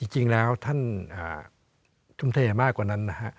จริงแล้วท่านทุ่มเทมากกว่านั้นนะฮะ